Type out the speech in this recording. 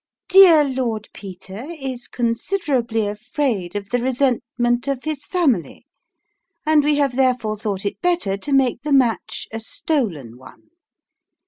"Dear Lord Peter is considerably afraid of the resentment of his family ; and we have therefore thought it better to make the match a stolen one.